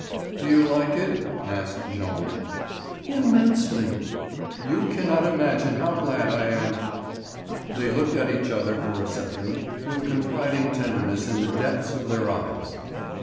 "Do you like it?" asked Jean. "Immensely." "You cannot imagine how glad I am." They looked at each other for a second, with confiding tenderness in the depths of their eyes.